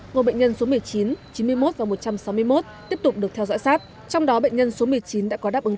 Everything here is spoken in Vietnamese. ngôi bệnh nhân số một mươi chín chín mươi một và một trăm sáu mươi một tiếp tục được theo dõi sát trong đó bệnh nhân số một mươi chín đã có đáp ứng